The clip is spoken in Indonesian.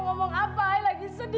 tidak ada yang mau berbicara